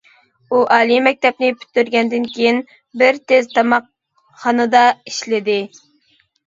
ئۇ ئالىي مەكتەپنى پۈتتۈرگەندىن كېيىن بىر تېز تاماقخانىدا ئىشلىدى.